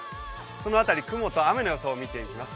その辺り、雲と雨の予想を見ていきます。